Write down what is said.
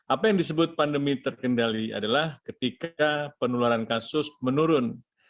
apa yang disebut pandemi terkendali adalah ketika penularan kasus menurun